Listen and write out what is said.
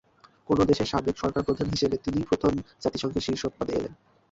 কোনো দেশের সাবেক সরকারপ্রধান হিসেবে তিনিই প্রথম জাতিসংঘের শীর্ষ পদে এলেন।